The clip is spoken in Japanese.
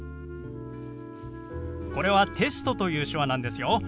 これは「テスト」という手話なんですよ。